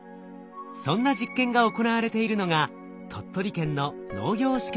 そんな実験が行われているのが鳥取県の農業試験場です。